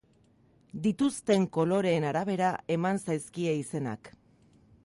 Dituzten koloreen arabera eman zaizkie izenak.